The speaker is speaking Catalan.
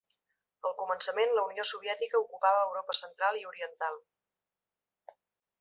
Al començament, la Unió Soviètica ocupava Europa Central i Oriental.